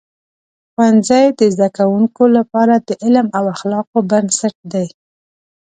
ښوونځي د زده کوونکو لپاره د علم او اخلاقو بنسټ دی.